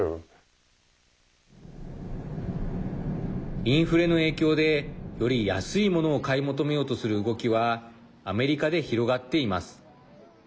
インフレの影響でより安いものを買い求めようとする動きはアメリカで広がっています。